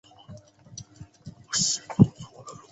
它们也被引入到格瑞纳丁群岛。